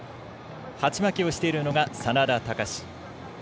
鉢巻きをしているのが眞田卓。